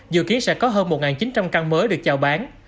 dự kiến sẽ có hơn một chín trăm linh căn mới được chào bán